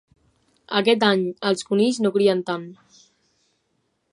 Aquest any els conills no crien tant.